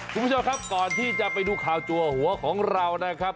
คุณผู้ชมครับก่อนที่จะไปดูข่าวจัวหัวของเรานะครับ